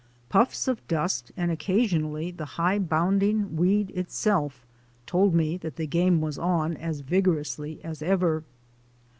Puffs of dust and occasionally the high bounding weed itself told me that the game was on as vigorously as ever.